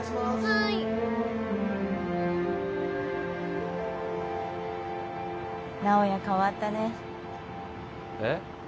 はい直哉変わったねえっ？